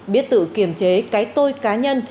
biết tự kiềm chế cái tôi cá nhân